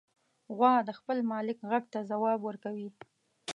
غوا د خپل مالک غږ ته ځواب ورکوي.